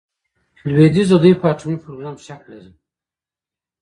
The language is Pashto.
لویدیځ د دوی په اټومي پروګرام شک لري.